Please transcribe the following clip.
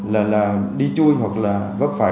là đi chui hoặc là vấp phải